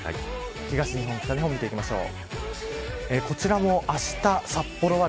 東日本、北日本見ていきましょう。